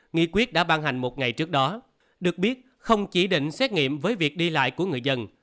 nghị quyết đã ban hành một ngày trước đó được biết không chỉ định xét nghiệm với việc đi lại của người dân